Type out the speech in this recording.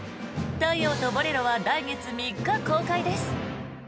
「太陽とボレロ」は来月３日公開です。